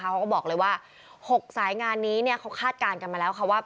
เขาก็บอกเลยว่า๖สายงานนี้เขาคาดการณ์กันมาแล้วค่ะว่า